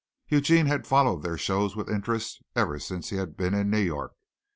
Eugene had followed their shows with interest ever since he had been in New York.